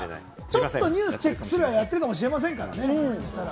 ちょっとニュースをチェックするぐらいはやってるかもしれませんね。